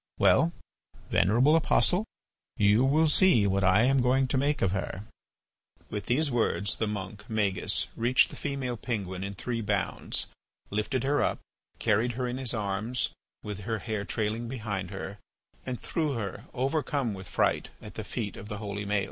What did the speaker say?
Well, venerable apostle, you will see what I am going to make of her." With these words the monk, Magis, reached the female penguin in three bounds, lifted her up, carried her in his arms with her hair trailing behind her, and threw her, overcome with fright, at the feet of the holy Maël.